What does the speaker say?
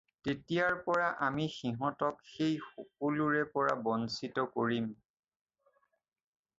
যেতিয়াৰ পৰা আমি সিহঁতক সেই সকলোৰে পৰা বঞ্চিত কৰিম।